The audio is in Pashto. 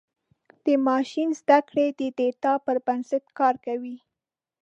د ماشین زدهکړه د ډیټا پر بنسټ کار کوي.